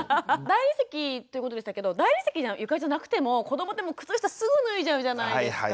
大理石ということでしたけど大理石の床じゃなくても子どもって靴下すぐ脱いじゃうじゃないですか。